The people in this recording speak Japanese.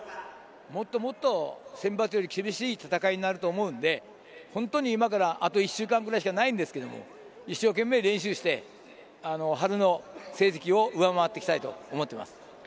もっともっとセンバツより厳しい戦いになると思うので本当に今からあと１週間ぐらいしかないですが一生懸命練習して、春の成績を上回っていきたいと思います。